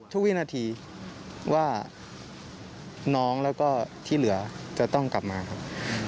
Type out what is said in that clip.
วินาทีว่าน้องแล้วก็ที่เหลือจะต้องกลับมาครับ